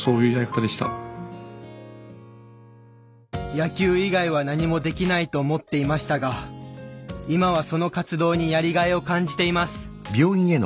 野球以外は何もできないと思っていましたが今はその活動にやりがいを感じています。